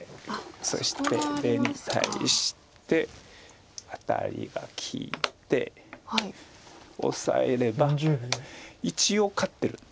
そして出に対してアタリが利いてオサえれば一応勝ってる。